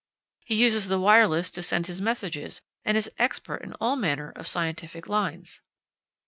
He uses the wireless to send his messages, and is expert in all manner of scientific lines.